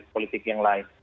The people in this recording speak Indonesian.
politik yang lain